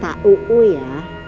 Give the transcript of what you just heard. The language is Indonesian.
pak uu ya